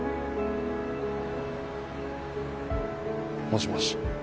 もしもし。